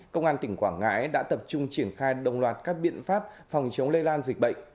công an tỉnh quảng ngãi đã tập trung triển khai đồng loạt các biện pháp phòng chống lây lan dịch bệnh